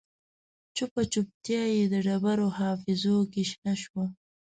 چوپه چوپتیا یې د ډبرو حافظو کې شنه شوه